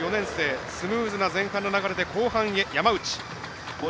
スムーズな前半の流れから後半へ、山内。